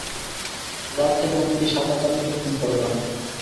রাত থেকে অনেকেই সাবা তানিকে ফোন করে পাননি।